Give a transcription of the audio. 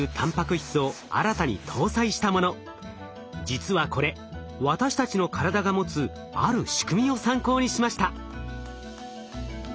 実はこれ私たちの体が持つある仕組みを参考にしました。